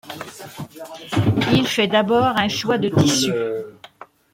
Il fait d'abord un choix de tissus.